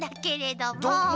「ども」？